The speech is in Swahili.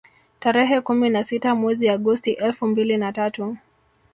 Tarehe kumi na sita mwezi Agosti elfu mbili na tatu